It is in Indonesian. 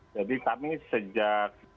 jadi kami sejak